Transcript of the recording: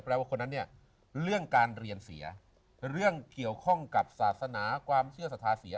ว่าคนนั้นเนี่ยเรื่องการเรียนเสียเรื่องเกี่ยวข้องกับศาสนาความเชื่อศรัทธาเสีย